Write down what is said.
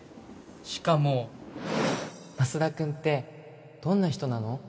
しかもマスダ君ってどんな人なの？